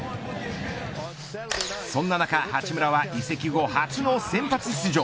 そんな中、八村は移籍後初の先発出場。